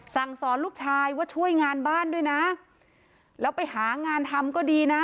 สั่งสอนลูกชายว่าช่วยงานบ้านด้วยนะแล้วไปหางานทำก็ดีนะ